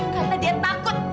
karena dia takut